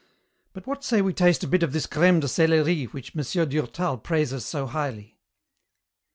But what say we taste a bit of this crême de céléri which Monsieur Durtal praises so highly?"